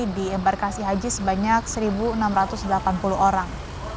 di embarkasi haji sebanyak satu enam ratus delapan puluh orang